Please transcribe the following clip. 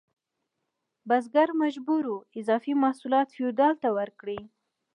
بزګر مجبور و اضافي محصولات فیوډال ته ورکړي.